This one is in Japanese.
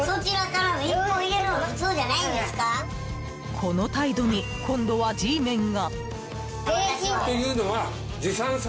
この態度に今度はＧメンが。